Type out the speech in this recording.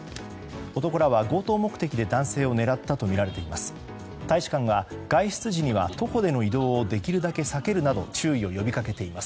男らは強盗目的で男性を狙ったとみられています。